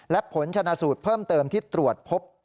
และผลชนะสูตรเพิ่มเติมที่ตรวจพบ